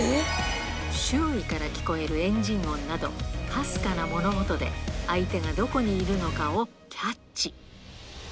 周囲から聞こえるエンジン音など、かすかな物音で相手がどこにいるのかをキャッチ。